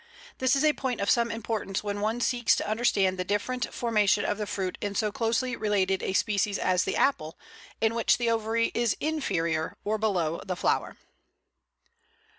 This is a point of some importance when one seeks to understand the different formation of the fruit in so closely related a species as the Apple, in which the ovary is "inferior," or below the flower.